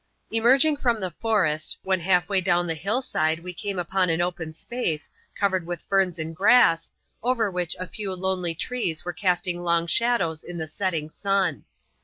Emerging from the forest, when half way down the hillside, we came upon an open space, covered with fei*ns and grtiss, over which a few lonely trees were casting long shadows in the setting sim.